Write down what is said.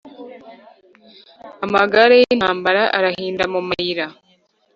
Amagare y’intambara arahinda mu mayira